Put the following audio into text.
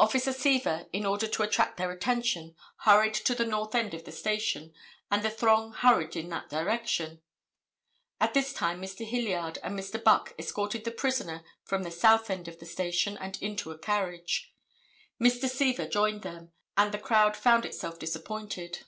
Officer Seaver in order to attract their attention, hurried to the north end of the station, and the throng hurried in that direction. At this time Mr. Hilliard and Mr. Buck escorted the prisoner from the south end of the station and into a carriage. Mr. Seaver joined them, and the crowd found itself disappointed.